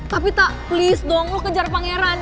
tapi tak please dong lo kejar pangeran